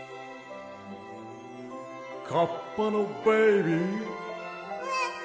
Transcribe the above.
・カッパのベイビー！え？